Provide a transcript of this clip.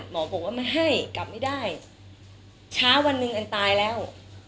บอกว่าไม่ให้กลับไม่ได้ช้าวันหนึ่งอันตายแล้ว